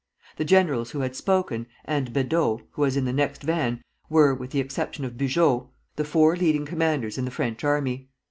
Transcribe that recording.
The generals who had spoken, and Bedeau, who was in the next van, were, with the exception of Bugeaud, the four leading commanders in the French army.